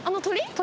鳥。